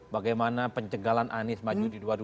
bagaimana pencegalan anis maju di